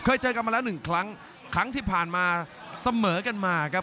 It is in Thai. เจอกันมาแล้วหนึ่งครั้งครั้งที่ผ่านมาเสมอกันมาครับ